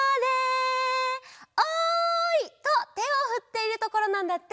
「おい」とてをふっているところなんだって。